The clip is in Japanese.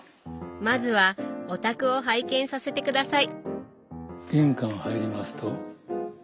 まずはお宅を拝見させて下さい！